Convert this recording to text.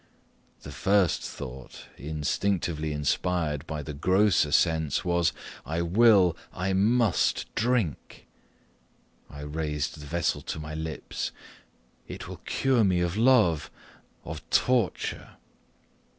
The first thought, instinctively inspired by the grosser sense, was, I will I must drink. I raised the vessel to my lips. "It will cure me of love of torture!"